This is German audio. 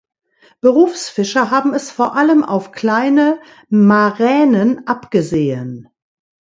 Berufsfischer haben es vor allem auf kleine Maränen abgesehen.